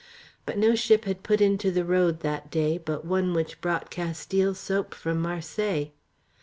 But no ship had put into the Road that day but one which brought Castile soap from Marseilles.